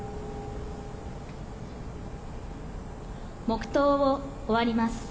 黙とうを終わります。